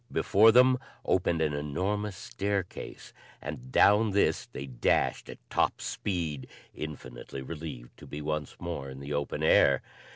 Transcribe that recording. Before them opened an enormous staircase and down this they dashed at top speed, infinitely relieved to be once more in the open air.